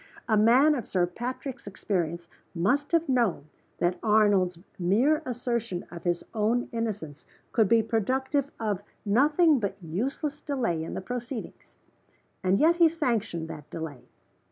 A man of Sir Patrick's experience must have known that Arnold's mere assertion of his own innocence could be productive of nothing but useless delay in the proceedings. And yet he sanctioned that delay.